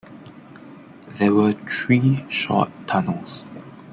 There were three short tunnels.